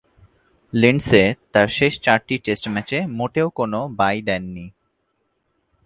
Lindsay তার শেষ চারটি টেস্ট ম্যাচে মোটেও কোনো বাই দেননি।